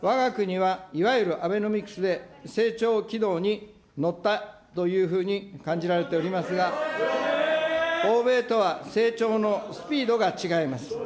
わが国はいわゆるアベノミクスで成長軌道に乗ったというふうに感じられておりますが、欧米とは成長のスピードが違います。